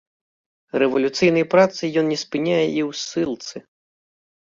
Рэвалюцыйнай працы ён не спыняе і ў ссылцы.